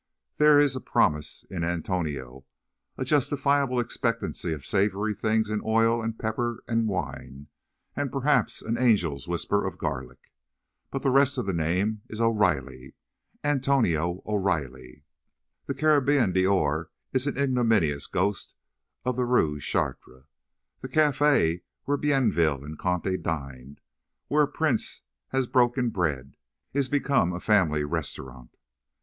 There is a promise in "Antonio"; a justifiable expectancy of savoury things in oil and pepper and wine, and perhaps an angel's whisper of garlic. But the rest of the name is "O'Riley." Antonio O'Riley! The Carabine d'Or is an ignominious ghost of the Rue Chartres. The café where Bienville and Conti dined, where a prince has broken bread, is become a "family ristaurant."